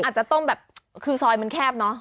อาจจะต้องแบบคือซอยมันแคบเนอะ